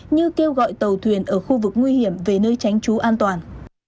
như kêu gọi tàu thuyền ở khu vực nguy hiểm về nơi tránh trú an toàn